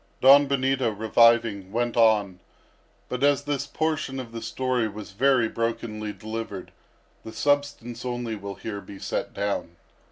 Don Benito reviving, went on; but as this portion of the story was very brokenly delivered, the substance only will here be set down.